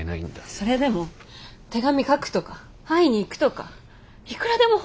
それでも手紙書くとか会いに行くとかいくらでも方法はあるでしょ。